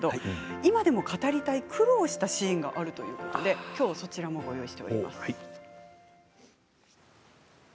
今でも語りたい苦労したシーンがあるということでそちらもご用意しています。